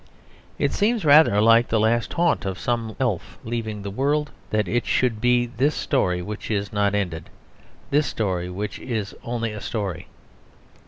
It seems rather like the last taunt of some elf, leaving the world, that it should be this story which is not ended, this story which is only a story.